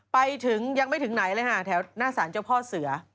ไปถึงยังไม่ถึงไหนเลยค่ะแถวหน้าศาลเจ้าพ่อเสือ